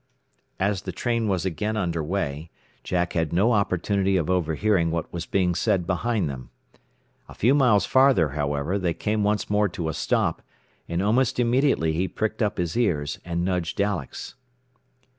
As the train was again under way, Jack had no opportunity of overhearing what was being said behind them. A few miles farther, however, they came once more to a stop, and almost immediately he pricked up his ears and nudged Alex.